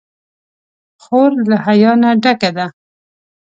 خور له حیا نه ډکه ده.